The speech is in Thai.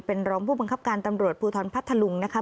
เป็นรองผู้บังคับการตำรวจภูทรพัทธลุงนะคะ